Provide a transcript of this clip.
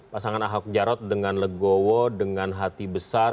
pasangan ahok jarot dengan legowo dengan hati besar